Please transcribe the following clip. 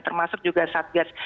termasuk juga satgas